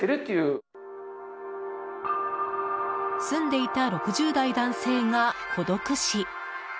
住んでいた６０代男性が孤独死。